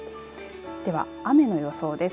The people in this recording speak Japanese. では雨の予想です。